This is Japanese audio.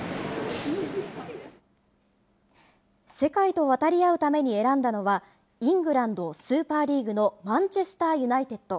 世界と渡り合うために選んだのは、イングランドスーパーリーグのマンチェスター・ユナイテッド。